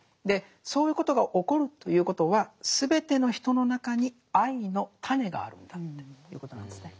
そういうことが起こるということはすべての人の中に愛の種があるんだっていうことなんですね。